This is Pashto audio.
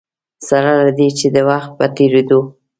سره له دې چې د وخت په تېرېدو.